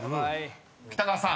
［北川さん